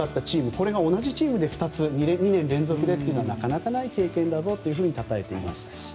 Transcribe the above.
これが同じチームで２つ２年連続でというのはなかなかない経験だぞとたたえていました。